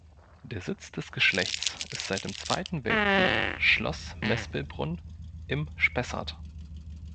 Der Sitz des Geschlechts ist seit dem Zweiten Weltkrieg Schloss Mespelbrunn im Spessart.